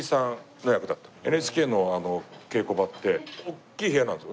ＮＨＫの稽古場っておっきい部屋なんですよ。